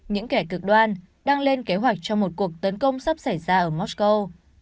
những kẻ cực đoan đang lên kế hoạch cho một cuộc tấn công sắp xảy ra ở mosco